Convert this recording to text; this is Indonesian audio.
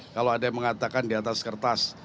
kalau ada yang mengatakan di atas kertas